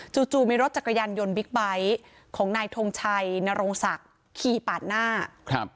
จู่มีรถจักรยานยนต์บิ๊กไบท์ของนายทงชัยนรงศักดิ์ขี่ปาดหน้าครับ